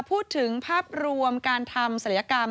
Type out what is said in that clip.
พูดถึงภาพรวมการทำศัลยกรรม